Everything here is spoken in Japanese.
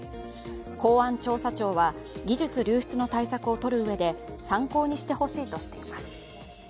公安調査庁は、技術流出の対策をとるうえで参考にしてほしいとしています。